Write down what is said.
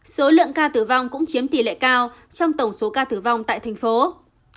số lượng ca tử vong cũng chiếm tỷ lệ cao trong tổng số ca tử vong tại tp hcm